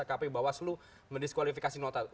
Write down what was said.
menyesuaikan kpu bawaslu mendiskualifikasi satu